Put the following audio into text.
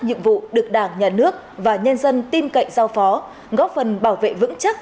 nhiệm vụ được đảng nhà nước và nhân dân tiêm cạnh giao phó góp phần bảo vệ vững chắc